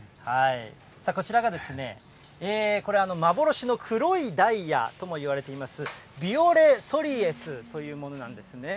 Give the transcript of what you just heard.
こちらがこれ、幻の黒いダイヤともいわれています、ビオレ・ソリエスというものなんですね。